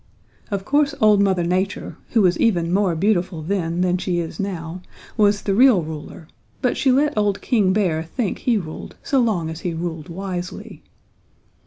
Of course old Mother Nature, who was even more beautiful then than she is now, was the real ruler, but she let old King Bear think he ruled so long as he ruled wisely.